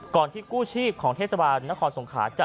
ก่อนที่กู้ชีพของเทสต์บาลนครสงคร๊า